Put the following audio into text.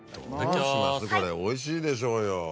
これおいしいでしょうよ。